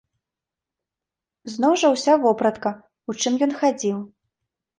Зноў жа ўся вопратка, у чым ён хадзіў.